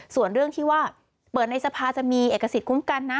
ส่วนเรื่องที่ว่าเปิดในสภาจะมีเอกสิทธิคุ้มกันนะ